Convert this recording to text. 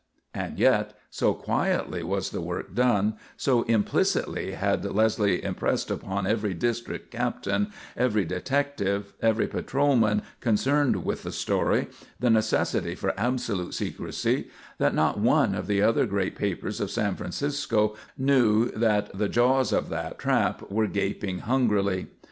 And yet so quietly was the work done, so implicitly had Leslie impressed upon every district captain, every detective, every patrolman concerned with the story, the necessity for absolute secrecy that not one of the other great papers of San Francisco knew that the jaws of that trap were gaping hungrily.